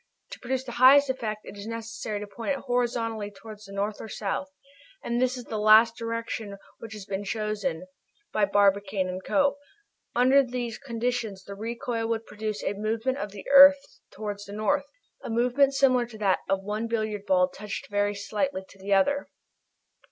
To produce its highest effect it is necessary to point it horizontally towards the north or south, and it is this last direction which has been chosen by Barbicane & Co. Under these conditions the recoil will produce a movement of the earth towards the north, a movement similar to that of one billiard ball touched very slightly by another."